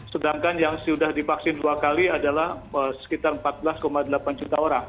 sedangkan yang sudah divaksin dua kali adalah sekitar empat belas delapan juta orang